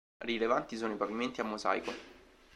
Rilevanti sono i pavimenti a mosaico.